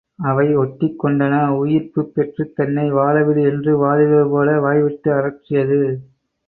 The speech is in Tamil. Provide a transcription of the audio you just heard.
அவை ஒட்டிக் கொண்டன உயிர்ப்புப் பெற்றுத் தன்னை வாழவிடு என்று வாதிடுவது போல வாய்விட்டு அரற்றியது.